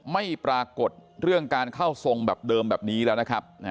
ไม่ปรากฏเรื่องการเข้าทรงแบบเดิมแบบนี้แล้วนะครับ